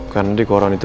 karena di koron itu